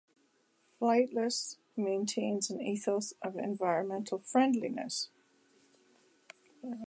Flightless maintains an ethos of environmental friendliness.